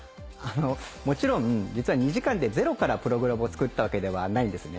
もちろん実は２時間でゼロからプログラムを作ったわけではないんですね。